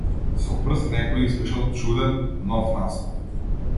Со прст некој испишал чуден, нов наслов.